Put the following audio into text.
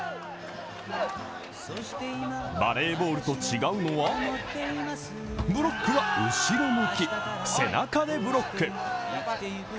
バレーボールと違うのはブロックは後ろ向き、背中でブロック。